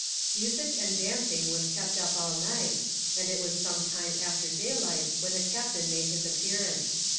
Music and dancing was kept up all night, and it was some time after daylight when the captain made his appearance.